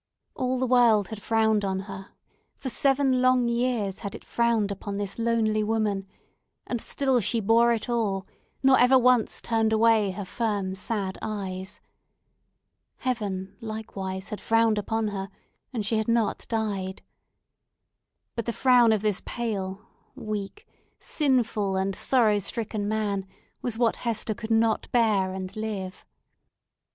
All the world had frowned on her—for seven long years had it frowned upon this lonely woman—and still she bore it all, nor ever once turned away her firm, sad eyes. Heaven, likewise, had frowned upon her, and she had not died. But the frown of this pale, weak, sinful, and sorrow stricken man was what Hester could not bear, and live!